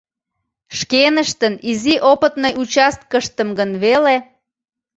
Шкеныштын изи опытный участкыштым гын веле.